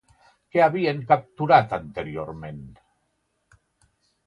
Què havien capturat anteriorment?